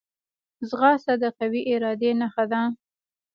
ځغاسته د قوي ارادې نښه ده